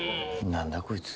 何だこいつ。